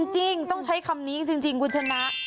จริงต้องใช้คำนี้จริงคุณชนะ